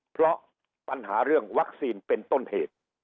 เพราะปัญหาเรื่องวัคซีนเป็นต้นเหตุ